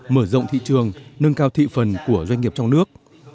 mở rộng thị trường nâng cao thị phần của doanh nghiệp trong nước